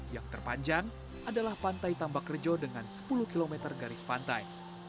yang terpanjang adalah pantai tambak rejo dengan sepuluh km garis pantai